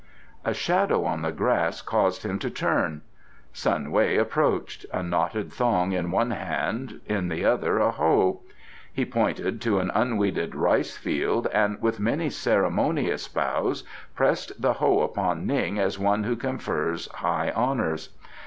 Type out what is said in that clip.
A shadow on the grass caused him to turn. Sun Wei approached, a knotted thong in one hand, in the other a hoe. He pointed to an unweeded rice field and with many ceremonious bows pressed the hoe upon Ning as one who confers high honours.